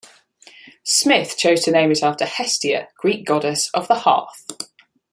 Smyth chose to name it after Hestia, Greek goddess of the hearth.